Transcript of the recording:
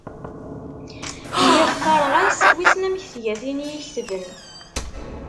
Lliɣ qqareɣ-as wissen amek tga tin i y-iketben.